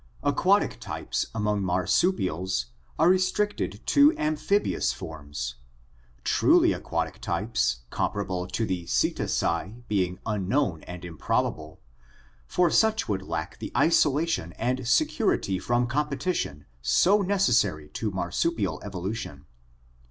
Aquatic types among marsupials are restricted to amphibious forms, truly aquatic types comparable to the Cetacea being un known and improbable, for such would lack the isolation and security from competition so necessary to marsupial evolution.